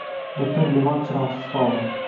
Butun Livan chiroqsiz qoldi